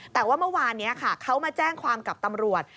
แต่ว่าเมื่อวานนี้ค่ะเขามาแจ้งความกับตำรวจ